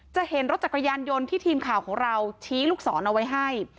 เห็นรถจักรยานยนต์ที่ทีมข่าวของเราชี้ลูกศรเอาไว้ให้